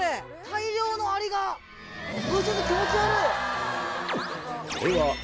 大量のアリがちょっと気持ち悪い！